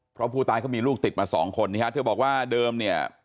เพราะผู้ตายเขามีลูกติดมาสองคนนี่ฮะเธอบอกว่าเดิมเนี่ย